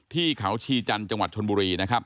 ที่เขาชีจันทร์จังหวัดธนบุรี